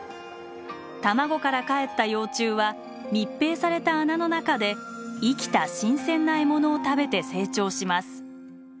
卵からかえった幼虫は密閉された穴の中で生きた新鮮な獲物を食べて成長します。